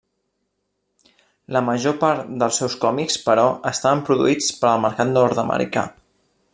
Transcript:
La major part dels seus còmics, però, estaven produïts per al mercat nord-americà.